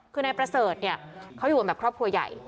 คือนายประเสริฐเขาอยู่กับครอบครัวใหญ่